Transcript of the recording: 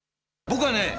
僕はね